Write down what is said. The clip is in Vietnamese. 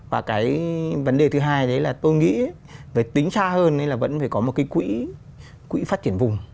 và cái vấn đề thứ hai đấy là tôi nghĩ về tính xa hơn là vẫn phải có một cái quỹ phát triển vùng